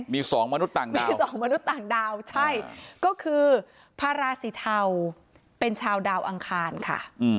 มี๒มนุษย์ต่างดาวมี๒มนุษย์ต่างดาวใช่ก็คือภาราศีเทาเป็นชาวดาวอังคารค่ะ